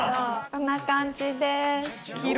こんな感じです。